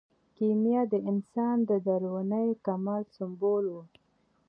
کیمیا د انسان د دروني کمال سمبول و.